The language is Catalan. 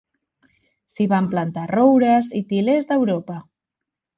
S'hi van plantar roures i til·lers d'Europa.